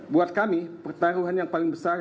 buat kami pertaruhan yang paling besar